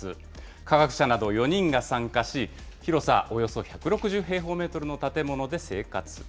科学者など４人が参加し、広さおよそ１６０平方メートルの建物で生活。